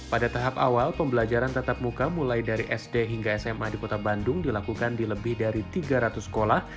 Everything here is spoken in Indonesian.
pada tahap awal pembelajaran tetap muka mulai dari sd hingga sma di kota bandung dilakukan di lebih dari tiga ratus sekolah